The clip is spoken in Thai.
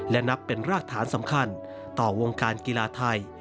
และนับเป็นรากฐานสำคัญต่อวงการกีฬาไทย